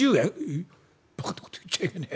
「えっばかなこと言っちゃいけねえ。